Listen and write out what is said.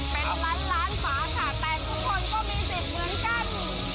เป็นล้านฝาค่ะแต่ทุกคนก็มีเสียงเหมือนกัน